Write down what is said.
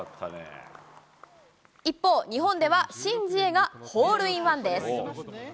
一方、日本では申ジエがホールインワンです。